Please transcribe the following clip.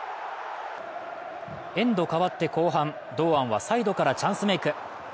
エンド変わって後半、堂安はサイドからチャンスメイク。